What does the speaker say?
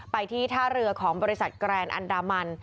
ไปที่ท่าเรือของบริษัทแกรนอันดามัน